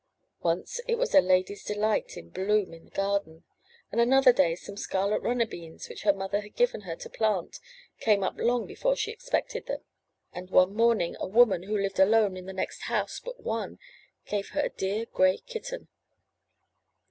Once it was a lady's delight in bloom in the garden; and another day some scarlet runner beans, which her mother had given her to plant, came up long before she expected them; and one 436 UP ONE PAIR OF STAIRS morning a woman, who lived alone in the next house but one, gave her a dear gray kitten.